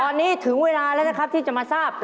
ตอนนี้ถึงเวลาแล้วนะครับที่จะมาทราบ